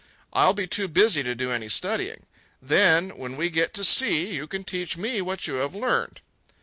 I'll be too busy to do any studying. Then, when we get to sea, you can teach me what you have learned."